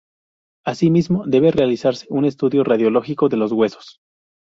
Asimismo, debe realizarse un estudio radiológico de los huesos.